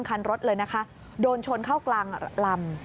คันรถเลยนะคะโดนชนเข้ากลางลำ